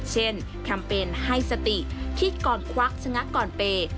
แคมเปญให้สติคิดก่อนควักชะงักก่อนเปย์